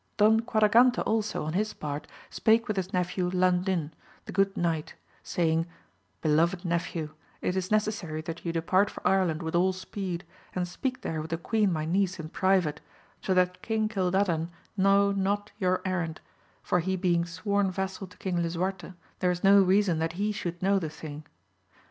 I ON QUADEAGANTE also, on his part, spake with his nephew Landin, the good knight, saying, beloved nephew, it is necessary that you depart for Ireland with all speed, and speak there with the queen my niece in private, so that King Cildadan know not your errand ; for he being sworn vassal to Eang Lisuarte, there is no reason that he should know the thing.